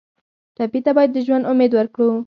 ټپي ته باید د ژوند امید ورکړو.